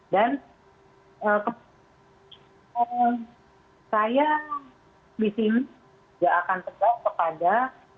dan saya disini tidak akan terbawa kepada